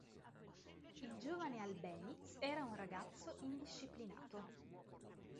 Il giovane Albéniz era un ragazzo indisciplinato.